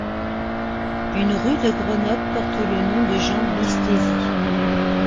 Une rue de Grenoble porte le nom de Jean Bistési.